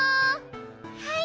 はい。